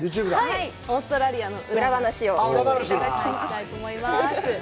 はい、オーストラリアの裏話をさせていただきます。